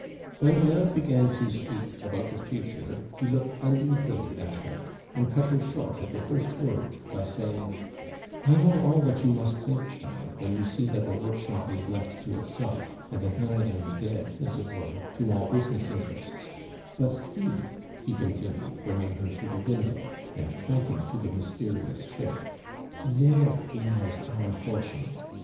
When Eve began to speak about the future, he looked uneasily at her, and cut her short at the first word by saying, "I know all that you must think, child, when you see that the workshop is left to itself, and that I am dead, as it were, to all business interests; but see," he continued, bringing her to the window, and pointing to the mysterious shed, "there lies our fortune.